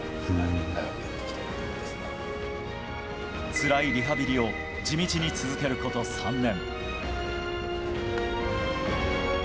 つらいリハビリを地道に続けること３年。